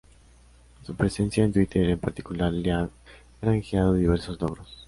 Su presencia en Twitter en particular le ha granjeado diversos logros.